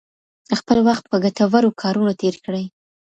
خپل وخت په ګټورو کارونو تیر کړئ.